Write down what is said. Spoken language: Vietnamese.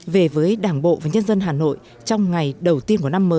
về với đảng bộ và nhân dân hà nội